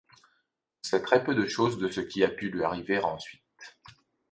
On sait très peu de choses de ce qui a pu lui arriver ensuite.